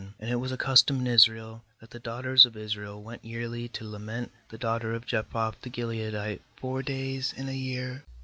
And it was a cus tom in Israel, 40that the daughters of Israel went yearly to lament the daughter of Jephthah the Gileadite four days in a year.